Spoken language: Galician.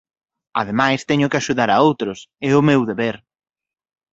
Ademais teño que axudar a outros: é o meu deber.